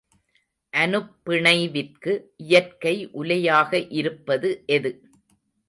அனுப்பிணைவிற்கு இயற்கை உலையாக இருப்பது எது?